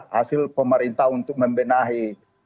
hasil pemerintah untuk membenahi